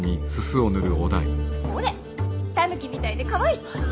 ほれタヌキみたいでかわいい。